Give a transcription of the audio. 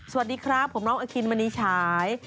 สวัสดีครับผมน้องอคินมณีฉาย